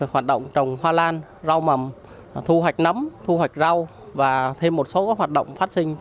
hoạt động trồng hoa lan rau mầm thu hoạch nấm thu hoạch rau và thêm một số hoạt động phát sinh